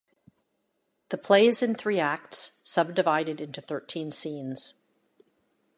The play is in three acts, sub-divided into thirteen scenes.